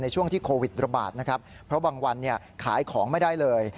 ช่วงที่โควิดระบาดนะครับเพราะบางวันขายของไม่ได้เลย